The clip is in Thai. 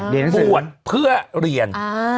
บวชเพื่อเรียน